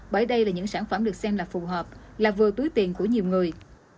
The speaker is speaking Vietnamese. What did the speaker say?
bởi đây là những sản phẩm được xem là phù hợp là vừa túi tiền của nhiều người